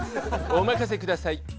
お任せください。